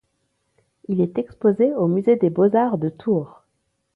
Il est exposé au Musée des Beaux-Arts de Tours.